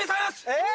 えっ！